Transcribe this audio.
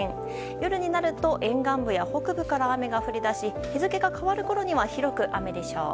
夜になると沿岸部や北部から雨が降り出し日付が変わるころには広く雨でしょう。